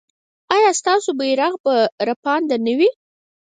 ایا ستاسو بیرغ به رپانده نه وي؟